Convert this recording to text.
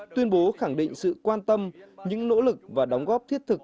tuyên bố khẳng định sự quan tâm những nỗ lực và đóng góp thiết thực